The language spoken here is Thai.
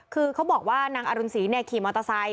คือเขาบอกว่านางอรุณศรีขี่มอเตอร์ไซค